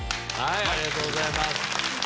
ありがとうございます。